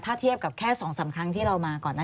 ถ้าเทียบกับแค่๒๓ครั้งที่เรามาก่อนนั้น